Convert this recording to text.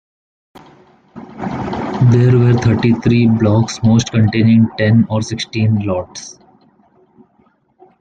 There were thirty-three blocks, most containing ten or sixteen lots.